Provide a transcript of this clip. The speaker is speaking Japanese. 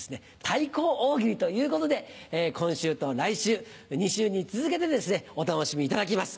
対抗大喜利ということで今週と来週２週に続けてお楽しみいただきます。